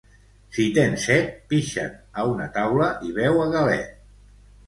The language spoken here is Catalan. Si tens set pixa't a una teula i beu a galet